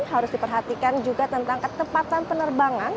harus diperhatikan juga tentang ketepatan penerbangan